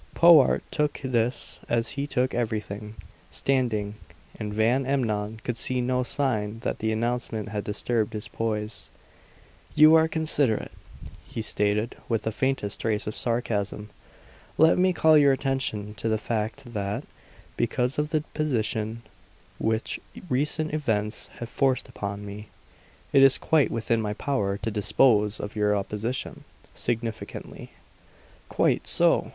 Powart took this as he took everything, standing. And Van Emmon could see no sign that the announcement had disturbed his poise. "You are considerate," he stated with the faintest trace of sarcasm. "Let me call your attention to the fact that, because of the position which recent events have forced upon me, it is quite within my power to dispose of your opposition" significantly. "Quite so!